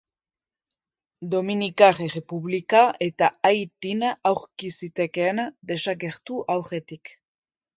Dominikar Errepublika eta Haitin aurki zitekeen desagertu aurretik.